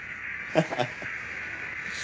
ハハハッ。